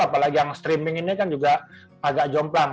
apalagi yang streaming ini kan juga agak jomplang